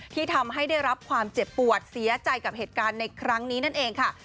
ที่ทำให้ได้รับความเจ็บปวดเสียใจกับเหตุการณ์ในครั้งนี้นั่นเองค่ะ